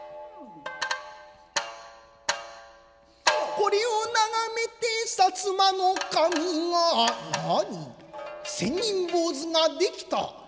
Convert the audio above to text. これを眺めて薩摩守が「何千人坊主が出来た」。